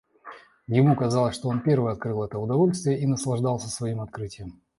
Ему казалось, что он первый открыл это удовольствие, и он наслаждался своим открытием.